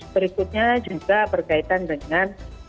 berikutnya juga berkaitan dengan